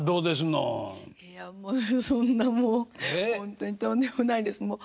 いやそんなもうほんとにとんでもないです。